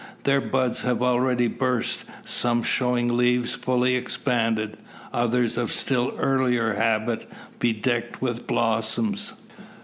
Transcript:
Their buds have already burst, some showing leaves fully expanded, others of still earlier habit bedecked with blossoms.